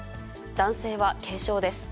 男性は軽傷です。